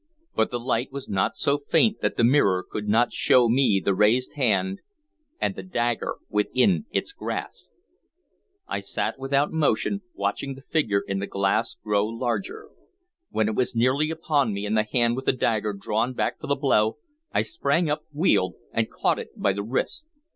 But the light was not so faint that the mirror could not show me the raised hand and the dagger within its grasp. I sat without motion, watching the figure in the glass grow larger. When it was nearly upon me, and the hand with the dagger drawn back for the blow, I sprang up, wheeled, and caught it by the wrist.